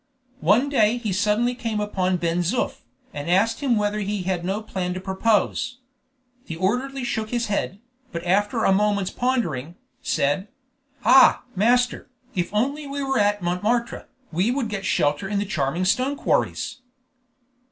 One day he suddenly came upon Ben Zoof, and asked him whether he had no plan to propose. The orderly shook his head, but after a few moments' pondering, said: "Ah! master, if only we were at Montmartre, we would get shelter in the charming stone quarries."